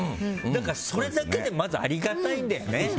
だから、それだけでまずありがたいんだよね。